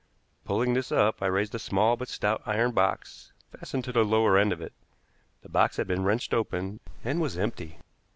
Pulling this up, I raised a small but stout iron box fastened to the lower end of it. The box had been wrenched open and was empty.